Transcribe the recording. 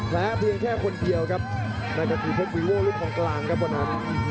แล้วเพียงแค่คนเดียวครับนักกระทิเทควีโวรุทธ์ของกลางครับวันนั้น